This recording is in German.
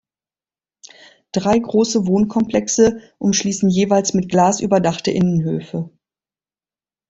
Drei große Wohnkomplexe umschließen jeweils mit Glas überdachte Innenhöfe.